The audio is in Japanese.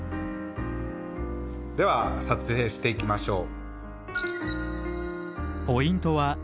では撮影していきましょう。